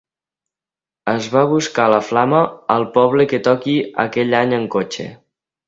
Es va a buscar la flama al poble que toqui aquell any en cotxe.